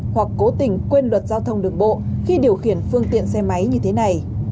hoặc cố tình quên luật giao thông đường bộ khi điều khiển phương tiện xe máy như thế này